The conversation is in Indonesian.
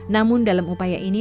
namun dalam upaya ini